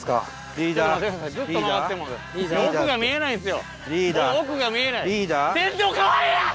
奥が見えないんですよ！